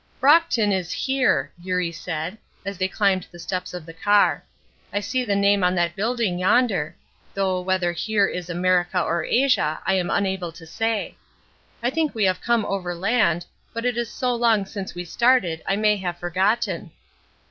"Brocton is here," Eurie said, as they climbed the steps of the car. "I see the name on that building yonder; though whether 'here' is America or Asia I am unable to say. I think we have come overland, but it is so long since we started I may have forgotten."